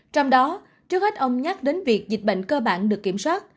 trong đó trước hết ông nhắc đến việc dịch bệnh cơ bản được kiểm soát